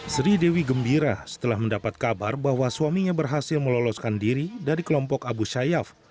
sri dewi gembira setelah mendapat kabar bahwa suaminya berhasil meloloskan diri dari kelompok abu sayyaf